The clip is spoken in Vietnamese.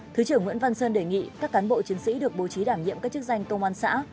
thứ trưởng nguyễn văn sơn đề nghị các cán bộ chiến sĩ được bố trí đảm nhiệm các chức danh công an xã